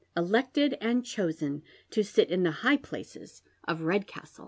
elected and choBeu to sit in the high places of Eed tabtle.